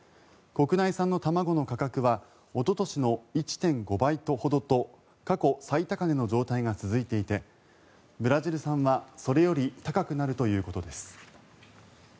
国内産の卵の価格はおととしの１．５倍ほどと過去最高値の状態が続いていてブラジル産はそれより高くなるということです。